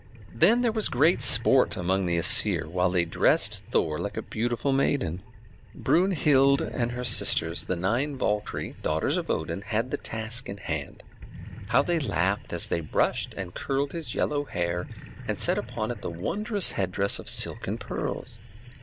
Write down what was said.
Then there was great sport among the Æsir, while they dressed Thor like a beautiful maiden. Brunhilde and her sisters, the nine Valkyrie, daughters of Odin, had the task in hand. How they laughed as they brushed and curled his yellow hair, and set upon it the wondrous headdress of silk and pearls!